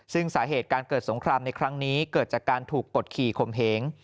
ซึ่งสาเหตุการเกิดสงครามในครั้งนี้เกิดจากการถูกกดขี่ข่มเหง